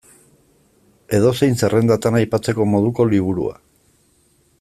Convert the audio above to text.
Edozein zerrendatan aipatzeko moduko liburua.